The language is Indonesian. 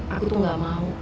aku tuh gak mau